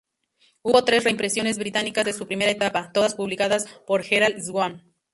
Hubo tres reimpresiones británicas de su primera etapa, todas publicadas por Gerald Swan.